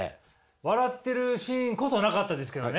笑ってるシーンこそなかったですけどね。